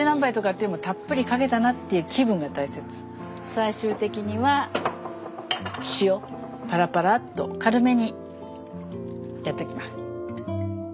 最終的には塩パラパラっと軽めにやっときます。